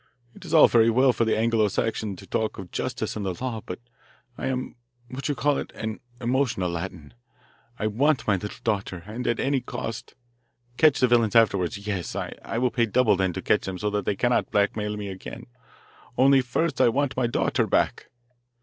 It is all very well for the Anglo Saxon to talk of justice and the law, but I am what you call it? an emotional Latin. I want my little daughter and at any cost. Catch the villains afterward yes. I will pay double then to catch them so that they cannot blackmail me again. Only first I want my daughter back."